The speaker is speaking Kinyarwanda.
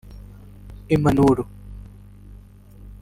impanuro